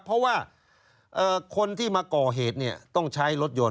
เพราะว่าคนที่มาก่อเหตุต้องใช้รถยนต